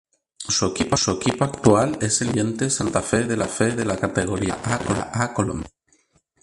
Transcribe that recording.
Su equipo actual es el Independiente Santa Fe de la Categoría Primera A colombiana.